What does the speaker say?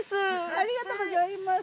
ありがとうございます。